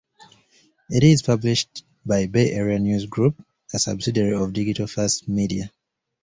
It is published by Bay Area News Group, a subsidiary of Digital First Media.